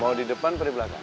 mau di depan apa di belakang